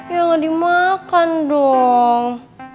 ya gak dimakan dong